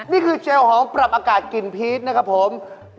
เจลหอมปรับอากาศกลิ่นพีชนะครับผม